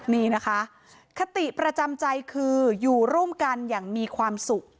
นี่นะคะคติประจำใจคืออยู่ร่วมกันอย่างมีความสุข